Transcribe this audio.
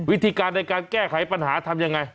วิธีการในการแก้ไขปัญหาทำยังไง